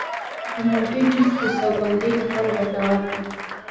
د مالټې جوس د ساه بندۍ لپاره ګټور دی.